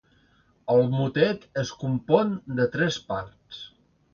El motet es compon de tres parts.